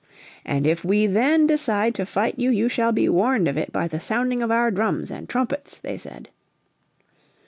"And if we then decide to fight you, you shall be warned of it by the sounding of our drums and trumpets," they said.